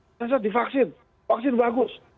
mas hensat divaksin vaksin bagus